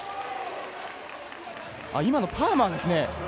今のパーマーですね。